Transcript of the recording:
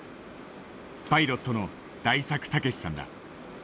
パイロットの大作毅さんだ。